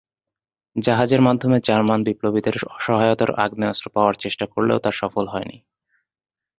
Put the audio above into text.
জাহাজের মাধ্যমে জার্মান বিপ্লবীদের সহায়তায় আগ্নেয়াস্ত্র পাওয়ার চেষ্টা করলেও তা সফল হয়নি।